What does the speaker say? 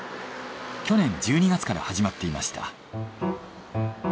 去年１２月から始まっていました。